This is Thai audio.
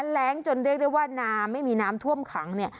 แรงจนเรียกได้ว่าน้ำไม่มีน้ำท่วมขังเนี่ย